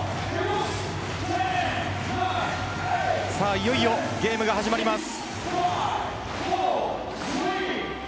さあ、いよいよゲームが始まります。